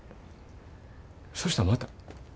そしたらまた。